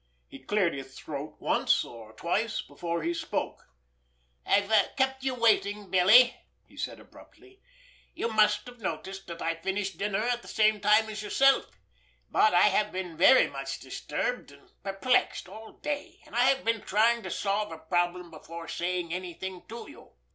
He cleared his throat once or twice before he spoke. "I've kept you waiting, Billy," he said abruptly. "You must have noticed that I had finished dinner at the same time as yourself; but I have been very much disturbed and perplexed all day, and I have been trying to solve a problem before saying anything to you."